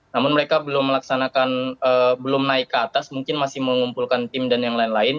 namun mereka belum melaksanakan belum naik ke atas mungkin masih mengumpulkan tim dan yang lain lain